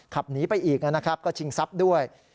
ขับหนีไปอีกนะครับก็ชิงทรัพย์ด้วย